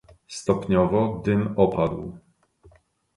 "Stopniowo dym opadł."